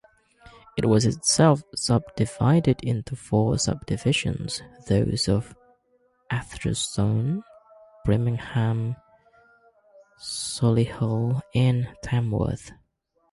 It was itself sub-divided into four subdivisions, those of Atherstone, Birmingham, Solihull and Tamworth.